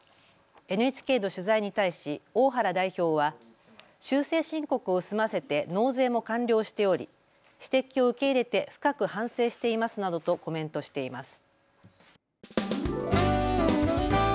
ＮＨＫの取材に対し大原代表は修正申告を済ませて納税も完了しており指摘を受け入れて深く反省していますなどとコメントしています。